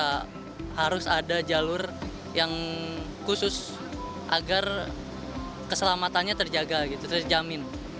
jadi harus ada jalur yang khusus agar keselamatannya terjaga gitu terjamin